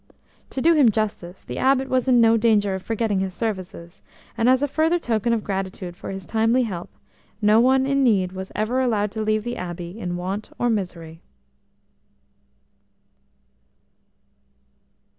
To do him justice, the Abbot was in no danger of forgetting his services, and as a further token of gratitude for his timely help, no one in need was ever allowed to leave the Abbey in want or misery.